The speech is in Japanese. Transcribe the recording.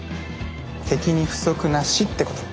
敵に不足なしってこと。